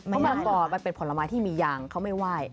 มะละกอมันเป็นผลไม้ที่มีอย่างเขาไม่ไหว้